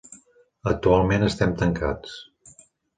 Actualment estem tancats.